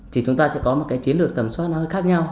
chỉ chúng ta sẽ có một chiến lược tầm soát khác nhau